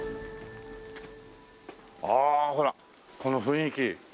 ああほらこの雰囲気。